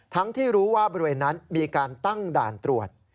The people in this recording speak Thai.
ที่รู้ว่าบริเวณนั้นมีการตั้งด่านตรวจ